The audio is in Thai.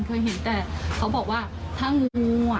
เคยเห็นแต่เขาบอกว่าถ้างูอ่ะ